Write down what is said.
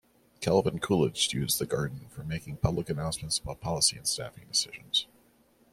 Calvin Coolidge used the garden for making public announcements about policy and staffing decisions.